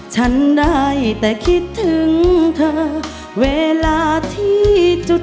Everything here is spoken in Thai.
ฉันได้แต่คิดถึงเธอเวลาที่จุด